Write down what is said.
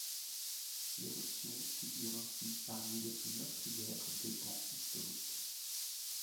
L'éruption figure ainsi parmi les plus meurtrières des temps historiques.